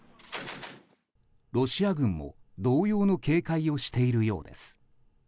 ロシア軍も同様の警戒をしているようです。